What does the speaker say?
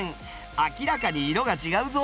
明らかに色が違うぞ。